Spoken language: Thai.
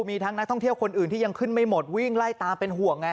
มีทั้งนักท่องเที่ยวคนอื่นที่ยังขึ้นไม่หมดวิ่งไล่ตามเป็นห่วงไง